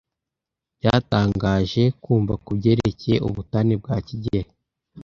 Byatangaje kumva kubyerekeye ubutane bwa kigeli.